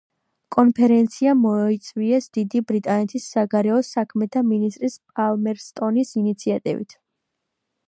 კონფერენცია მოიწვიეს დიდი ბრიტანეთის საგარეო საქმეთა მინისტრის პალმერსტონის ინიციატივით.